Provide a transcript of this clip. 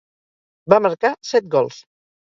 Va marcar set gols.